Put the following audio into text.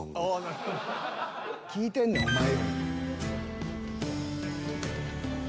聴いてんねんお前より。